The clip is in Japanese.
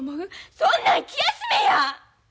そんなん気休めや！